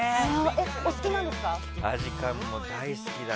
お好きなんですか？